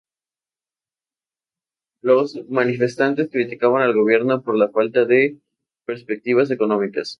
Los manifestantes criticaban al Gobierno por la falta de perspectivas económicas.